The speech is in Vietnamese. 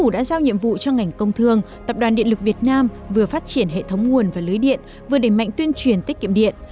đã giao nhiệm vụ cho ngành công thương tập đoàn điện lực việt nam vừa phát triển hệ thống nguồn và lưới điện vừa để mạnh tuyên truyền tiết kiệm điện